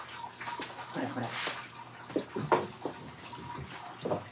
これこれ。